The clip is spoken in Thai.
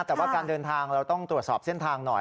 แต่ว่าการเดินทางเราต้องตรวจสอบเส้นทางหน่อย